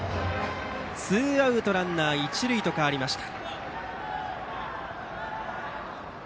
ツーアウトランナー、一塁と変わりました。